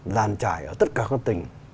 giàn trải ở tất cả các tỉnh